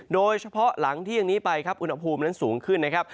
โดยเฉพาะหลังเที่ยงนี้ไปครับอุณหภูมินั้นสูงขึ้นนะครับ